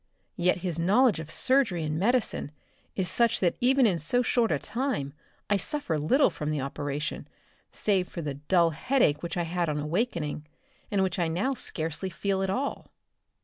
Yet his knowledge of surgery and medicine is such that even in so short a time I suffer little from the operation, save for the dull headache which I had on awakening, and which I now scarcely feel at all."